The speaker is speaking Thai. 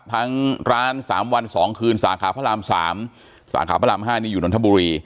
ทั้งร้าน๓วัน๒คืนสาขาพระราม๓สาขาพระราม๕นี่อยู่นนทบุรี